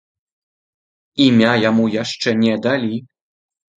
Імя яму яшчэ не далі.